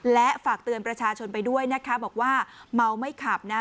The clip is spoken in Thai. และฝากเตือนประชาชนไปด้วยนะคะบอกว่าเมาไม่ขับนะ